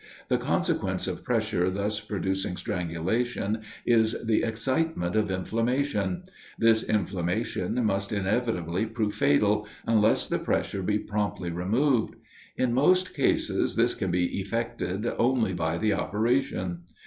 The consequence of pressure thus producing strangulation is, the excitement of inflammation: this inflammation must inevitably prove fatal, unless the pressure be promptly removed. In most cases, this can be effected only by the operation.